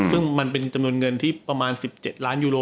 ซึ่งมันเป็นจำนวนเงินที่ประมาณ๑๗ล้านยูโร